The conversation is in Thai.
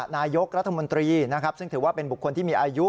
นายกรัฐมนตรีนะครับซึ่งถือว่าเป็นบุคคลที่มีอายุ